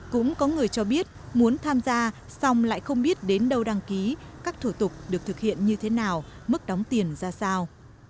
cũng có người cho biết muốn tham gia xong lại không biết đến đâu đăng ký các thủ tục được thực hiện như thế nào mức đóng tiền ra sao